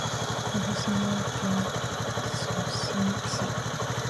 鹿児島県曽於市